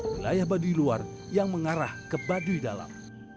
wilayah baduy luar yang mengarah ke baduy dalam